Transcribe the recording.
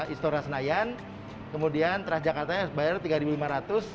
istora senayan kemudian transjakartanya bayar rp tiga lima ratus